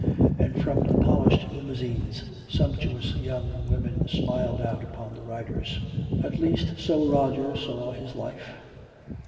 And from the polished limousines, sumptuous young women smiled out upon the riders. At least so Roger saw this life.